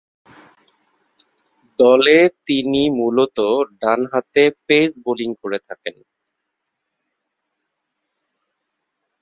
দলে তিনি মূলতঃ ডানহাতে পেস বোলিং করে থাকেন।